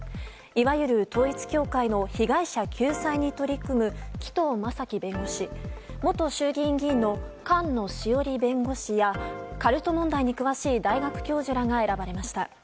いわゆる統一教会の被害者救済に取り組む紀藤正樹弁護士元衆議院議員の菅野詩織弁護士やカルト問題に詳しい大学教授らが選ばれました。